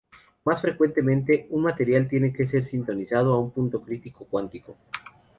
Más frecuentemente, un material tiene que ser sintonizado a un punto crítico cuántico.